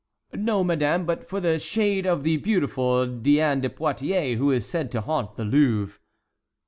"No, madame; but for the shade of the beautiful Diane de Poitiers, who is said to haunt the Louvre."